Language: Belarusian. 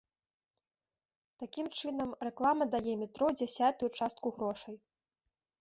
Такім чынам, рэклама дае метро дзясятую частку грошай.